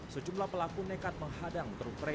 sejumlah pelaku nekat menghadang truk